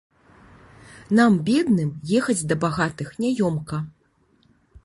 Нам, бедным, ехаць да багатых няёмка.